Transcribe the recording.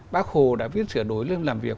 bác hồ đã viết sửa đối lên làm việc